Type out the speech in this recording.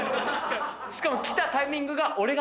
しかも来たタイミングが俺が。